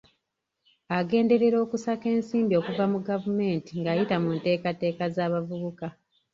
Agenderera okusaka ensimbi okuva mu gavumenti ng'ayita mu nteekateeka z'abavubuka.